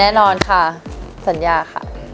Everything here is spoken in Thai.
แน่นอนค่ะสัญญาค่ะ